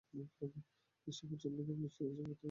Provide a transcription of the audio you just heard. এই সেবা ও যত্নে ভগ্নশ্রী ভূপতি যেন নবযৌবন ফিরিয়া পাইল।